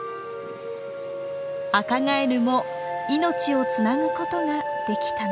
アカガエルも命をつなぐことができたのです。